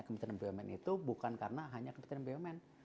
kemudian kemudian kemudian kemudian kemudian